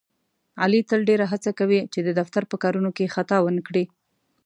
علي تل ډېره هڅه کوي، چې د دفتر په کارونو کې خطا ونه کړي.